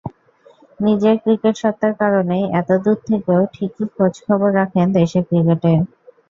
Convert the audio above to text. নিজের ক্রিকেট সত্তার কারণেই এতদূর থেকেও ঠিকই খোঁজ-খবর রাখেন দেশের ক্রিকেটের।